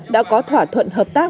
đã có thỏa thuận hợp tác